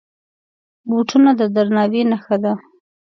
بوټونه د درناوي نښه ده.